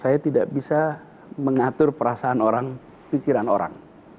saya tidak bisa mengatur perasaan orang pikiran orang